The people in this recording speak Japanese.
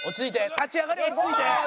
立ち上がり落ち着いて。